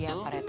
iya pak rt